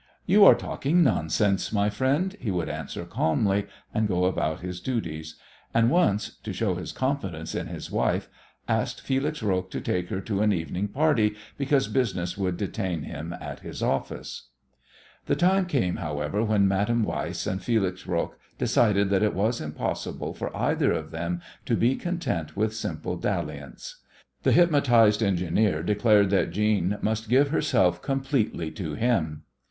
"You are talking nonsense, my friend," he would answer calmly, and go about his duties, and once, to show his confidence in his wife, asked Felix Roques to take her to an evening party because business would detain him at his office. The time came, however, when Madame Weiss and Felix Roques decided that it was impossible for either of them to be content with simple dalliance. The hypnotized engineer declared that Jeanne must give herself completely to him.